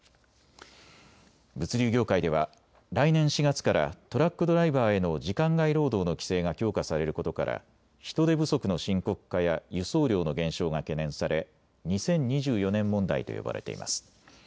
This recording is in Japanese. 物流業界では来年４月からトラックドライバーへの時間外労働の規制が強化されることから人手不足の深刻化や輸送量の減少が懸念され２０２４年問題と呼ばれています。